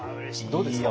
どうですか？